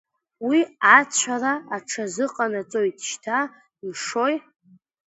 Уи ацәара аҽазыҟанаҵоит, шьҭа мшои.